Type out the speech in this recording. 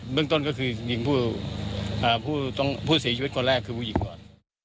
เรื่องต้นก็คือยิงผู้เสียชีวิตคนแรกคือผู้หญิงก่อน